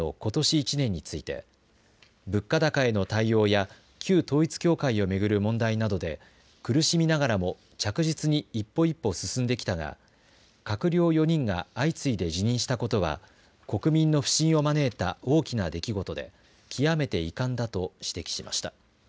１年について物価高への対応や旧統一教会を巡る問題などで苦しみながらも着実に一歩一歩進んできたが閣僚４人が相次いで辞任したことは国民の不信を招いた大きな出来事で極めて遺憾だと指摘しました。